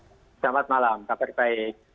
selamat malam kabar baik